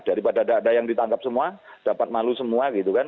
daripada ada yang ditangkap semua dapat malu semua gitu kan